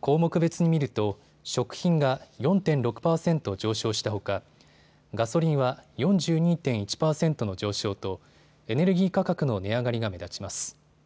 項目別に見ると食品が４．６％上昇したほかガソリンは４２．１％の上昇とエネルギー価格の値上がりが目立ちます。